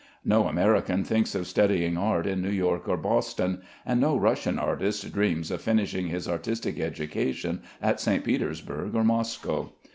No American thinks of studying art in New York or Boston, and no Russian artist dreams of finishing his artistic education in St. Petersburg or Moscow.